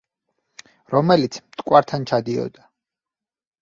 რომელიც მტკვართან ჩადიოდა.